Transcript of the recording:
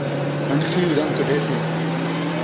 ہن٘ڈسی ، رن٘ڳ کڈھسی